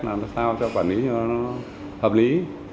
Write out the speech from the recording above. làm sao cho quản lý cho nó hợp lý